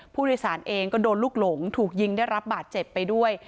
ผู้โดยสารเองก็โดนลูกหลงถูกยิงได้รับบาดเจ็บไปด้วย